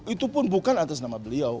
itu pun bukan atas nama beliau